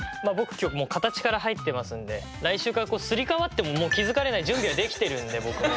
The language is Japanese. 今日もう形から入ってますんで来週からすり替わってももう気付かれない準備はできてるんで僕も。